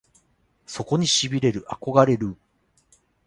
そこに痺れる憧れるぅ！！